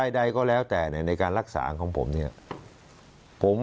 ใดก็แล้วแต่ในการรักษาของผมเนี่ย